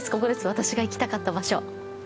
私が行きたかった場所。